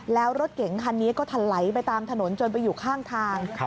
แล้วรถเก๋งคันนี้ก็ถลายไปตามถนนจนไปอยู่ข้างทาง